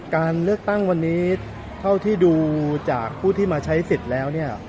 การเลือกตั้งวันนี้เท่าที่ดูจากผู้ที่มาใช้สิทธิ์แล้วเนี่ย